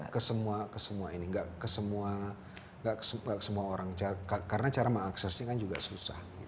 membantu membantu tapi enggak ke semua orang karena cara mengaksesnya kan juga susah